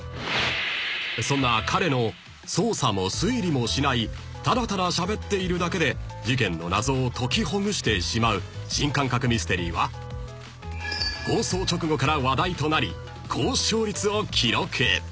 ［そんな彼の捜査も推理もしないただただしゃべっているだけで事件の謎を解きほぐしてしまう新感覚ミステリーは放送直後から話題となり高視聴率を記録］